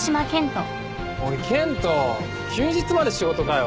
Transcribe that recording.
おい健人休日まで仕事かよ。